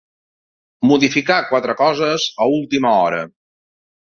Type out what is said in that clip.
Modificar quatre coses a última hora.